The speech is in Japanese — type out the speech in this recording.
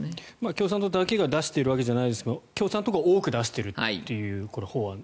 共産党だけが出しているわけではないですが共産党が多く出しているという法案。